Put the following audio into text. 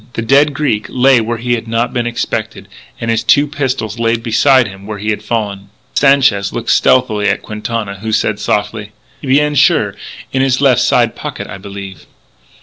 The dead Greek lay there where he had not been expected, and his two pistols lay beside him where they had fallen. Sanchez looked stealthily at Quintana, who said softly: "Bien sure.... In his left side pocket, I believe."